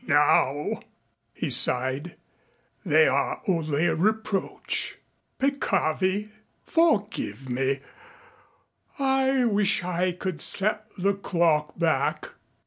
Now," he sighed, "they are only a reproach. Peccavi. Forgive me. I wish I could set the clock back."